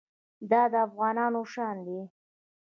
دا د افغانانو شان دی.